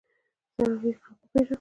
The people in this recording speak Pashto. سړی غږ وپېژاند.